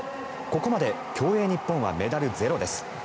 ここまで競泳日本はメダルゼロです。